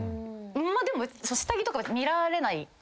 でも下着とか見られないから。